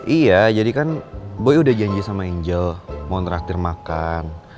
iya jadi kan boy udah janji sama angel mau netraktir makan